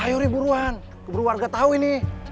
ayo re buruan beru warga tau ini